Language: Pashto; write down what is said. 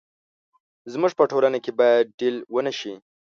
زموږ په ټولنه کې باید ډيل ونه شي.